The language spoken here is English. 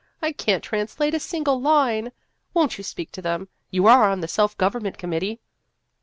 I can't translate a single line. Won't you speak to them ? You are on the self government com mittee."